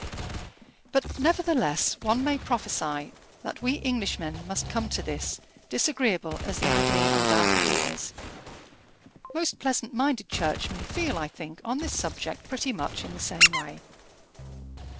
But, nevertheless, one may prophesy that we Englishmen must come to this, disagreeable as the idea undoubtedly is. Most pleasant minded churchmen feel, I think, on this subject pretty much in the same way.